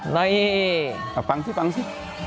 นี่น่าอิเอาปังสิปังซิ